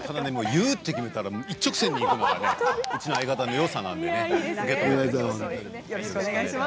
言うと思ったら一直線にいくのがうちの相方のよさなんでね。